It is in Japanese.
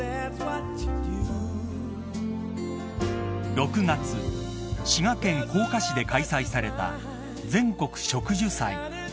［６月滋賀県甲賀市で開催された全国植樹祭］